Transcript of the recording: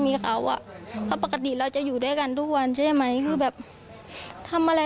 มีเขาอ่ะเพราะปกติเราจะอยู่ด้วยกันทุกวันใช่ไหมคือแบบทำอะไร